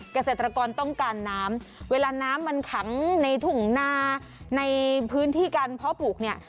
เกษตรกรต้องการน้ำเวลาน้ำมันขังในถุงนาในพื้นที่การเพาะปลูกเนี่ย